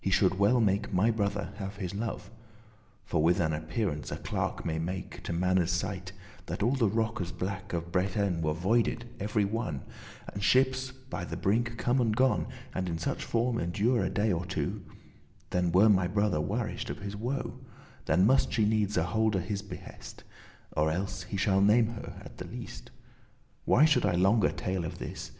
He should well make my brother have his love. For with an appearance a clerk* may make, *learned man To manne's sight, that all the rockes blake Of Bretagne were voided* every one, *removed And shippes by the brinke come and gon, And in such form endure a day or two; Then were my brother warish'd* of his woe, *cured Then must she needes *holde her behest,* *keep her promise* Or elles he shall shame her at the least." Why should I make a longer tale of this?